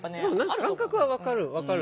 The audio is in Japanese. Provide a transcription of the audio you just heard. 感覚は分かる。